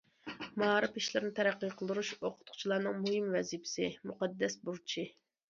مائارىپ ئىشلىرىنى تەرەققىي قىلدۇرۇش ئوقۇتقۇچىلارنىڭ مۇھىم ۋەزىپىسى، مۇقەددەس بۇرچى.